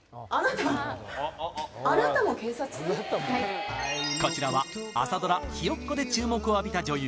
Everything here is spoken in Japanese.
あなたこちらは朝ドラ「ひよっこ」で注目を浴びた女優